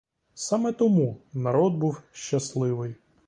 Саме тому народ був щасливий.